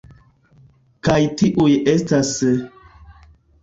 Kaj tiuj estas...